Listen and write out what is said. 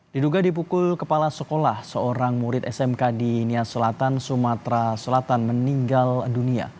diduga dipukul kepala sekolah seorang murid smk di nias selatan sumatera selatan meninggal dunia